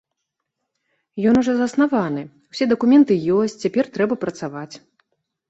Ён ужо заснаваны, усе дакументы ёсць, цяпер трэба працаваць.